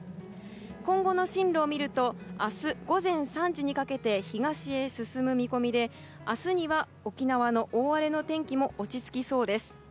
今後の進路を見ると明日午前３時にかけて東へ進む見込みで明日には沖縄の大荒れの天気も落ち着きそうです。